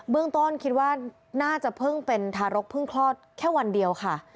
เรื่องต้นคิดว่าน่าจะเพิ่งเป็นทารกเพิ่งคลอดแค่วันเดียวค่ะ